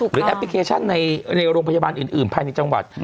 แอปพลิเคชันในโรงพยาบาลอื่นภายในจังหวัด